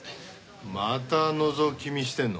またのぞき見してんの？